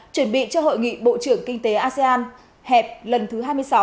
chuẩn bị cho hội nghị bộ trưởng kinh tế asean hẹp lần thứ hai mươi sáu